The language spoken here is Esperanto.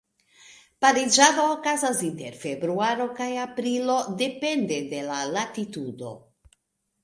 Pariĝado okazas inter februaro kaj aprilo, depende de la latitudo.